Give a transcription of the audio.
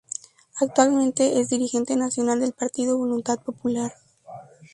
Actualmente es dirigente nacional del partido Voluntad Popular.